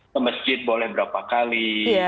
ke masjid boleh berapa kali